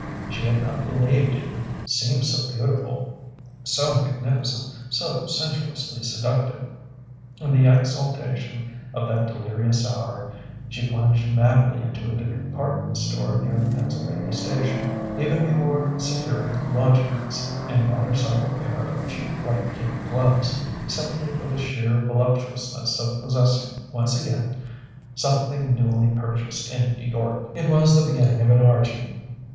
She had not believed it could seem so beautiful, so magnificent, so sensuously seductive. In the exaltation of that delirious hour she plunged madly into a department store near the Pennsylvania Station, even before securing lodgings, and bought herself a pair of cheap white kid gloves, simply for the sheer voluptuousness of possessing once again something newly purchased in New York. It was the beginning of an orgy.